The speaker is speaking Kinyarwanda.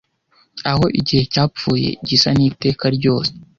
Aho igihe cyapfuye gisa n'iteka ryose,